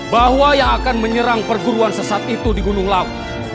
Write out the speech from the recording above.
bahwa yang akan menyerang perguruan sesat itu di gunung laut